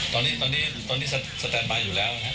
ตอนนี้ตอนนี้ตอนนี้สแตนบายอยู่แล้วครับ